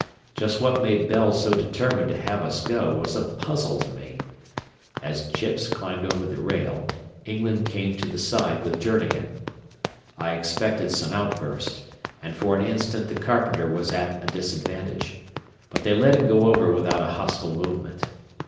Just what made Bell so determined to have us go was a puzzle to me. As Chips climbed over the rail, England came to the side with Journegan. I expected some outburst, and for an instant the carpenter was at a disadvantage. But they let him go over without a hostile movement.